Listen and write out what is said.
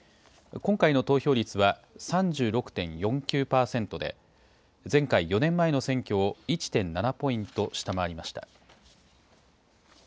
今回の投票率は３６．４９％で、前回・４年前の選挙を１．７ポイント下回りました。